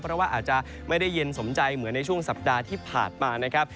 เพราะว่าอาจจะไม่ได้เย็นสมใจเหมือนในช่วงสัปดาห์ที่ผ่านมานะครับ